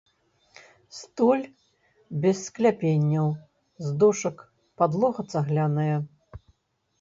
Столь без скляпенняў, з дошак, падлога цагляная.